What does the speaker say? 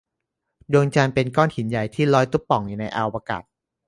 ดวงจันทร์เป็นก้อนหินใหญ่ ที่ลอยตุ๊บป่องอยู่ในอวกาศ